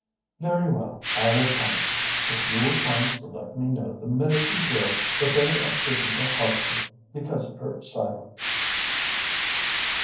"Very well, I will promise, if you will promise to let me know the minute you hear that they are treating her harshly because of her silence."